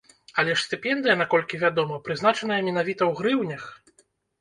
Але ж стыпендыя, наколькі вядома, прызначаная менавіта ў грыўнях?